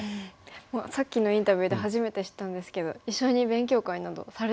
もうさっきのインタビューで初めて知ったんですけど一緒に勉強会などされてたんですね。